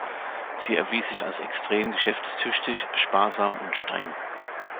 Sie erwies sich als extrem geschäftstüchtig, sparsam und streng.